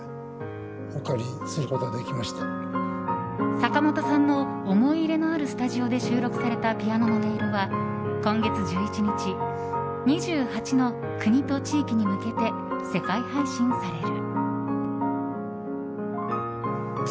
坂本さんの思い入れのあるスタジオで収録されたピアノの音色は今月１１日２８の国と地域に向けて世界配信される。